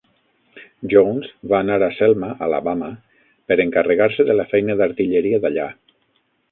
Jones va anar a Selma (Alabama) per encarregar-se de la feina d'artilleria d'allà.